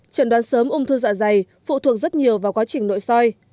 trần đoán sớm ung thư dạ dày phụ thuộc rất nhiều vào quá trình nội soi